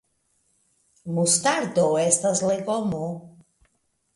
Mustardo estas legomo.